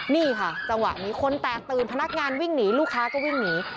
นี่ค่ะจังหวะนี้คนแตกตื่นพนักงานวิ่งหนีลูกค้าก็วิ่งหนี